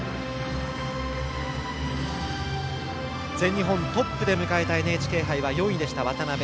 全日本トップで迎えたＮＨＫ杯は４位だった渡部。